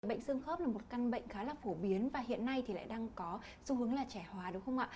bệnh xương khớp là một căn bệnh khá là phổ biến và hiện nay thì lại đang có xu hướng là trẻ hóa đúng không ạ